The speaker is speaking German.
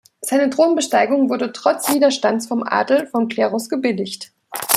Seine Thronbesteigung wurde trotz Widerstands vom Adel und vom Klerus gebilligt.